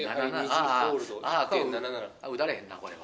ああ、打たれへんな、これは。